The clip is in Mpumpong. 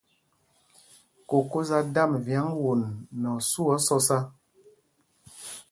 Koko za damb vyaŋ won nɛ osu o sɔsa.